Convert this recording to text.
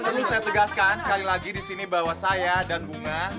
ya perlu saya tegaskan sekali lagi disini bahwa saya dan bunga